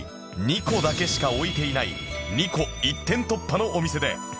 二胡だけしか置いていない二胡一点突破のお店で